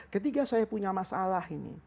ketika saya punya masalah ini